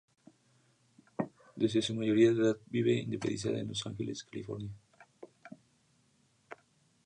Desde su mayoría de edad vive independizada en Los Ángeles, California.